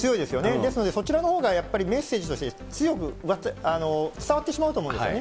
ですから、そちらのほうがやっぱりメッセージとして、強く伝わってしまうと思うんですね。